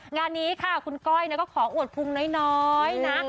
งานนี้ค่ะคุณก้อยก็ขออวดพุงน้อยนะ